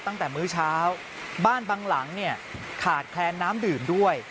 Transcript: ตั้งแต่มื้อเช้าบ้านบางหลังขาดแคนน้ำดื่มด้วย